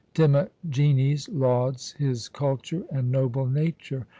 Timagenes lauds his culture and noble nature.